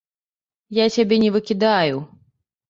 Я цябе не выкідаю.